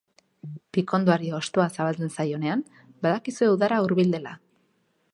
Pikondoari hostoa zabaltzen zaionean, badakizue uda hurbil dela.